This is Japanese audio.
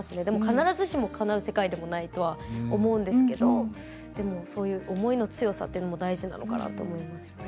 でも必ずしもかなう世界でもないと思うんですけどそういう思いの強さというのも大事なのかなと思います。